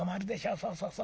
そうそうそう。